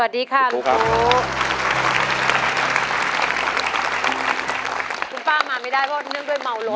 สวัสดีครับคุณปุ๊คุณป้ามาไม่ได้เพราะเนื่องด้วยเมารถ